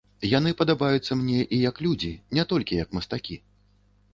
Яны падабаюцца мне і як людзі, не толькі як мастакі.